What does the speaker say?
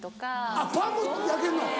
あっパンも焼けんの。